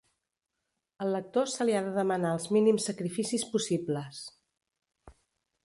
Al lector se li ha de demanar els mínims sacrificis possibles.